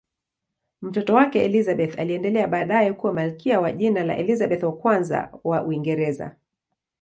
Mtoto wake Elizabeth aliendelea baadaye kuwa malkia kwa jina la Elizabeth I wa Uingereza.